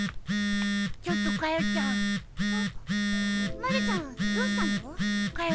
まるちゃんどうしたの？かよ